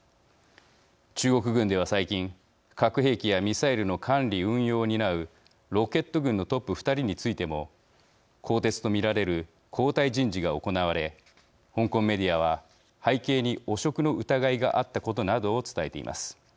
中国軍では最近核兵器やミサイルの管理・運用を担うロケット軍のトップ２人についても更迭と見られる交代人事が行われ香港メディアは背景に汚職の疑いがあったことなどを伝えています。